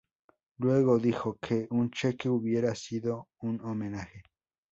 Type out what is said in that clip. Luego dijo que "un cheque hubiera sido un homenaje".